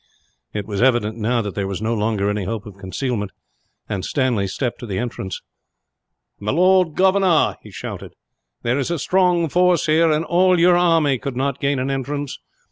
It was evident now that there was no longer any hope of concealment, and Stanley stepped to the entrance. "My Lord Governor," he shouted, "there is a strong force here, and all your army could not gain an entrance.